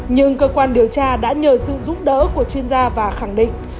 nhưng cơ quan điều tra đã nhờ sự giúp đỡ của chuyên gia và khẳng định